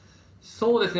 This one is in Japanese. そうですね。